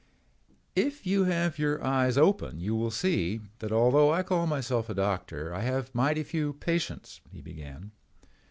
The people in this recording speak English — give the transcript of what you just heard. "If you have your eyes open you will see that although I call myself a doctor I have mighty few patients," he began.